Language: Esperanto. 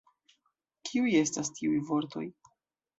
Kiuj estas tiuj vortoj?